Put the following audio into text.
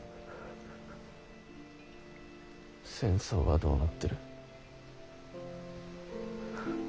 戦争はどうなってる？